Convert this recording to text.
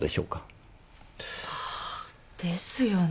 あですよね。